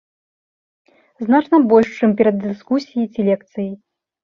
Значна больш, чым перад дыскусіяй ці лекцыяй.